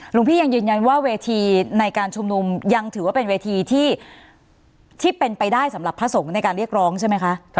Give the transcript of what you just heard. หลวงพี่ยังยืนยันว่าเวทีในการชุมนุมยังถือว่าเป็นเวทีที่เป็นไปได้สำหรับพระสงฆ์ในการเรียกร้องใช่ไหมคะ